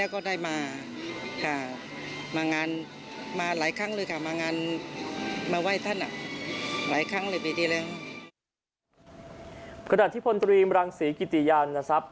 ขณะที่พลตรีมรังสีกิติยาต์อันนัสัพ